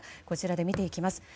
こちらで見ていきます。